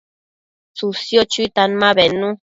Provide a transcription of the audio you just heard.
tsësio chuitan ma bednu